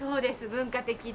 「文化的」で。